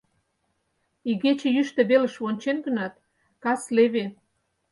Игече йӱштӧ велыш вончен гынат, кас леве.